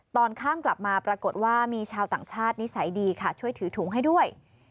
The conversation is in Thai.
ตอนข้ามกลับมาปรากฏว่ามีชาวต่างชาตินิสัยดีค่ะช่วยถือถุงให้ด้วย